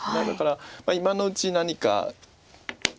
だから今のうちに何か。